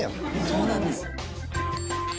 そうなんです。